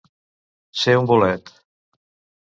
Ser un bolet.